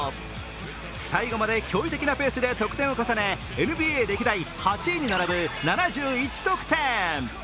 最後まで驚異的なペースで得点を重ねＮＢＡ歴代８位に並ぶ７１得点。